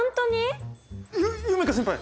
ゆ夢叶先輩！